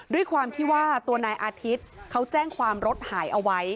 ด้วยความที่ว่าตัวนายอาทิตย์เขาแจ้งความรถหายเอาไว้